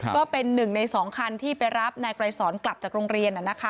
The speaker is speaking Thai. ก็เป็นหนึ่งใน๒คันที่ไปรับนายไกรสอนกลับจากโรงเรียน